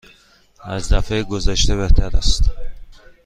از دفعه گذشته بهتر است.